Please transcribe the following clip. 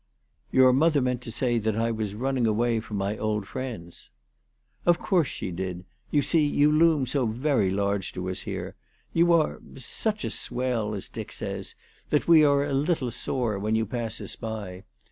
"Your mother meant to say that I was running away from my old friends." " Of course she did. You see, you loom so very large to us here. You are such a swell, as Dick says, that we are a little sore when you pass us by.